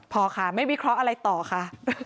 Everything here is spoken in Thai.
พอค่ะไม่วิเคราะห์อะไรต่อค่ะ